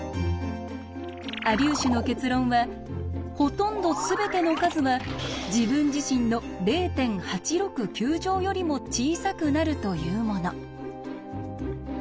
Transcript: アリューシュの結論は「ほとんどすべての数は自分自身の０．８６９乗よりも小さくなる」というもの。